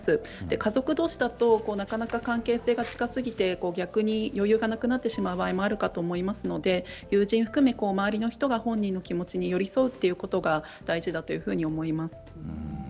家族どうしだとなかなか関係性が近すぎて逆に余裕がなくなってしまう場合もあるかと思いますので友人含め周りの人が本人の気持ちに寄り添うということが大事だと思います。